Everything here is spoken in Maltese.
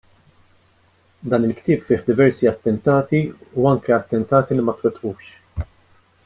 Dan il-ktieb fih diversi attentati u anke attentati li ma twettqux.